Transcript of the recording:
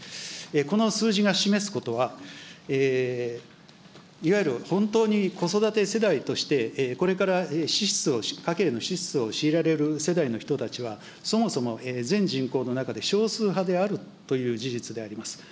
この数字が示すことは、いわゆる本当に子育て世代としてこれから支出を、家計の支出を強いられる世代の人たちは、そもそも全人口の中で少数派であるという事実であります。